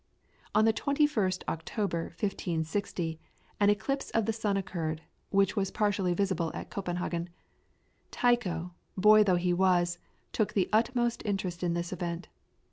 [PLATE: TYCHO BRAHE.] On the 21st October, 1560, an eclipse of the sun occurred, which was partially visible at Copenhagen. Tycho, boy though he was, took the utmost interest in this event.